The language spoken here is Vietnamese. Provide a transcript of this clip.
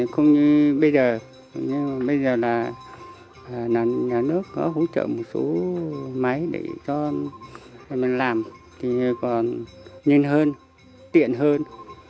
không bây giờ nhưng mà bây giờ là nhà nước có hỗ trợ một số máy để cho mình làm thì còn nhanh hơn tiện hơn